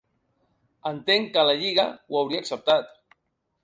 Entenc que la lliga ho hauria acceptat.